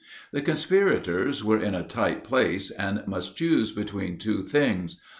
The conspirators were in a tight place, and must choose between two things.